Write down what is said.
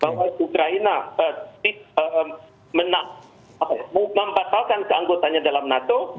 bahwa ukraina menang membatalkan keanggotannya dalam nato